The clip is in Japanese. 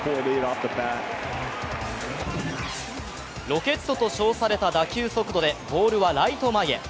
ロケットと称された打球速度でボールはライト前へ。